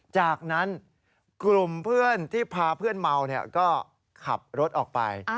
จากนั้นกลุ่มเพื่อนที่พาเพื่อนเมาก็ขับรถออกไป